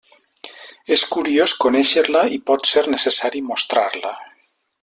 És curiós conèixer-la, i pot ser necessari mostrar-la.